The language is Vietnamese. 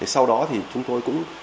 sau đó thì chúng tôi cũng